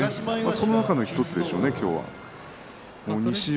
その中の１つでしょうね今日は。